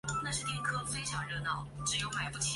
布哈拉汗国创建者昔班尼的祖父。